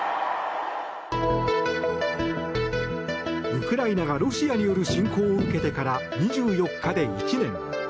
ウクライナがロシアによる侵攻を受けてから２４日で１年。